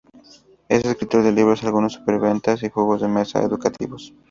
Es escritor de libros, algunos superventas y juegos de mesa educativos.